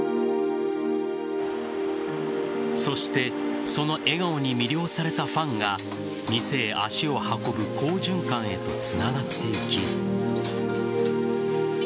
そしてその笑顔に魅了されたファンが店へ足を運ぶ好循環へとつながっていき。